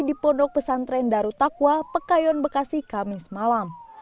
di pondok pesantren darutakwa pekayon bekasi kamis malam